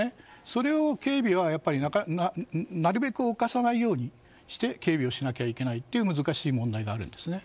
それを警備はなるべく侵さないようにして警備をしなければいけないという難しい問題があるんですね。